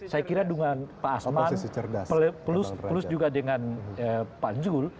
saya kira dengan pak asman plus juga dengan pak jul